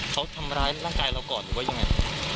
เขาทำร้ายร่างกายเราก่อนหรือว่ายังไง